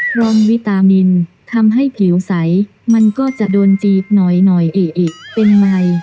พร้อมวิตามินทำให้ผิวใสมันก็จะโดนจีบหน่อยเอ๊ะเป็นไมค์